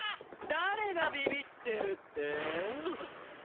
誰がビビってるって⁉ぅっ！